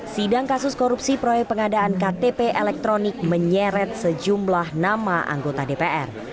sidang kasus korupsi proyek pengadaan ktp elektronik menyeret sejumlah nama anggota dpr